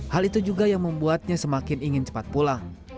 hal itu juga yang membuatnya semakin ingin cepat pulang